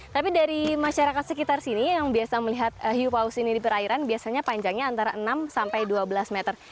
tapi dari masyarakat sekitar sini yang biasa melihat hiu paus ini di perairan biasanya panjangnya antara enam sampai dua belas meter